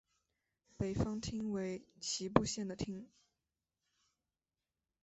北方町为岐阜县的町。